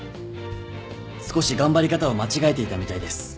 少し頑張り方を間違えていたみたいです。